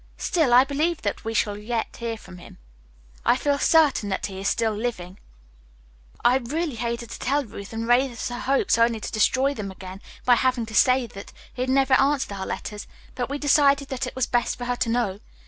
Still, I believe that we shall yet hear from him. I feel certain that he is still living. I really hated to tell Ruth, and raise her hopes only to destroy them again by having to say that he had never answered our letters, but we decided that it was best for her to know.